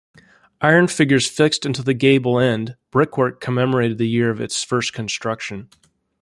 Iron figures fixed into the gable-end brickwork commemorated the year of its first construction.